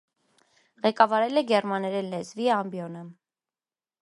Ղեկավարել է գերմաներեն լեզվի ամբիոնը։